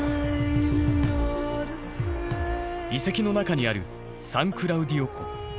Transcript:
遺跡の中にあるサン・クラウディオ湖。